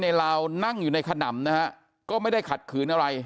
ลาวนั่งอยู่ในขนำนะฮะก็ไม่ได้ขัดขืนอะไร